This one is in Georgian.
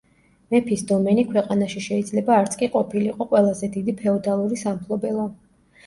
მეფის დომენი ქვეყანაში შეიძლება არც კი ყოფილიყო ყველაზე დიდი ფეოდალური სამფლობელო.